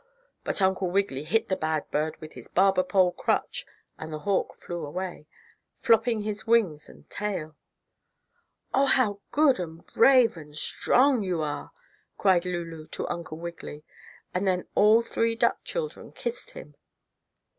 But Uncle Wiggily hit the bad bird with his barber pole crutch, and the hawk flew away, flopping his wings and tail. "Oh, how good, and brave, and strong you are!" cried Lulu to Uncle Wiggily, and then all three duck children kissed him.